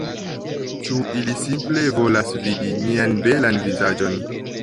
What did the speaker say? Ĉu ili simple volas vidi mian belan vizaĝon?